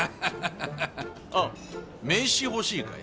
ああ名刺欲しいかい？